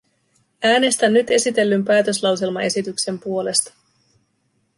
Äänestän nyt esitellyn päätöslauselmaesityksen puolesta.